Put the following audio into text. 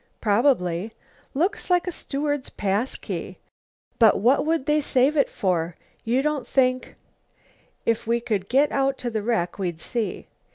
"Probably." "Looks like a steward's pass key." "But what would they save it for? You don't think " "If we could get out to the wreck we'd see."